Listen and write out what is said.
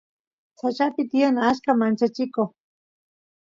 sachapi tiyan achka manchachiko